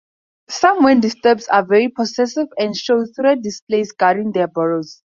Some, when disturbed, are very possessive and show threat displays guarding their burrows.